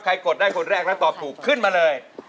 กดได้คนแรกแล้วตอบถูกขึ้นมาเลย